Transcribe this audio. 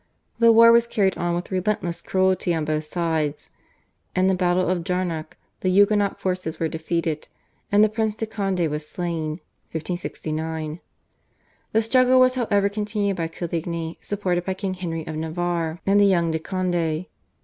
The war was carried on with relentless cruelty on both sides. In the battle of Jarnac the Huguenot forces were defeated, and the Prince de Conde was slain (1569). The struggle was however continued by Coligny supported by Henry King of Navarre and the young de Conde.